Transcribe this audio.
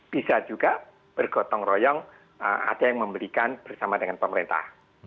bisa juga bergotong royong ada yang memberikan bersama dengan pemerintah